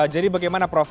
jadi bagaimana prof